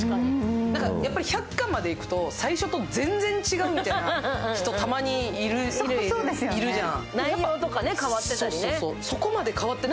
やっぱり１００巻までいくと最初で全然違うみたいな人、たまにいるじゃん。